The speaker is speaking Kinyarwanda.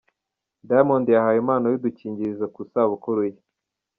Diamond yahawe impano y’udukingirizo ku isabukuru ye !